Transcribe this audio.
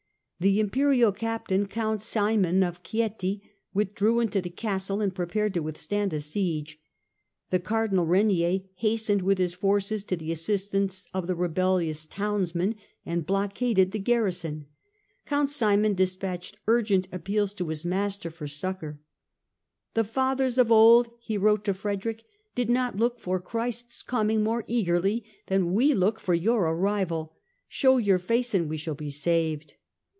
The Imperial captain, Count Simon of Chieti, withdrew into the Castle and prepared to withstand a siege. The Cardinal Regnier hastened with his forces to the assistance of the rebellious towns men and blockaded the garrison. Count Simon de spatched urgent appeals to his master for succour. " The fathers of old," he wrote to Frederick, " did not look for Christ's coming more eagerly than we look for your arrival. Show your face and we shall be saved."